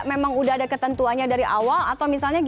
memang udah ada ketentuannya dari awal